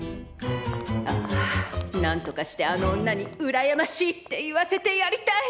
ああなんとかしてあの女に「うらやましい！」って言わせてやりたい。